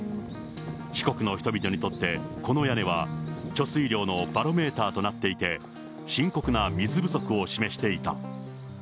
四国の人々にとって、この屋根は、貯水量のバロメーターとなっていて、深刻な水不足を示していた。